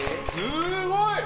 すごい！